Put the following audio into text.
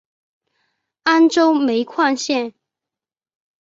安州煤矿线